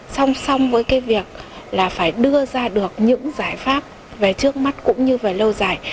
song song với việc phải đưa ra được những giải pháp về trước mắt cũng như về lâu dài